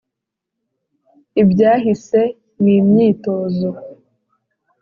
ibyahise ni imyitozo.